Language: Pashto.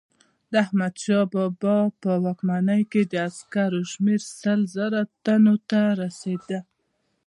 د احمدشاه بابا په واکمنۍ کې د عسکرو شمیر سل زره تنو ته رسېده.